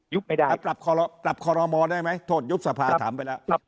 ยุบไม่ได้แล้วกลับคอลอมอได้ไหมโทษยุบสภาถามไปแล้ว